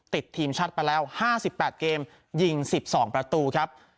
ติดทีมชัดไปแล้วห้าสิบแปดเกมยิงสิบสองประตูครับ